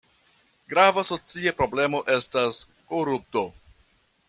Grava socia problemo estas korupto.